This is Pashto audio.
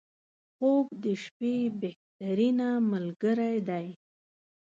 • خوب د شپې بهترینه ملګری دی.